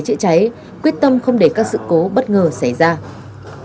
chữa cháy quyết tâm không để các sự cố bất ngờ xảy ra